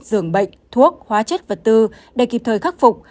giường bệnh thuốc hóa chất vật tư để kịp thời khắc phục